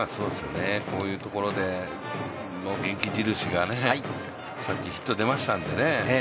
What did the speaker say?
こういうところで元気印がさっきヒット出ましたんでね。